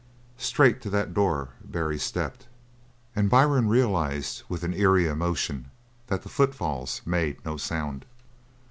Straight to that door Barry stepped, and Byrne realised, with an eerie emotion, that the footfalls made no sound.